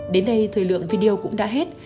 đến đây thời lượng video cũng đã hết